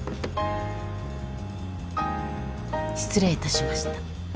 失礼いたしました。